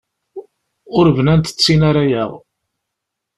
Ur bnant d tin ara yaɣ.